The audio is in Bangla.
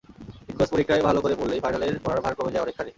ইন-কোর্স পরীক্ষায় ভালো করে পড়লেই ফাইনালের পড়ার ভার কমে যায় অনেকখানি।